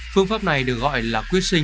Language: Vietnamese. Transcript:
phương pháp này được gọi là quyết sinh